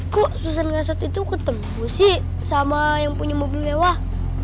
kok susan ngeset itu ketemu sih sama yang punya mobil lewah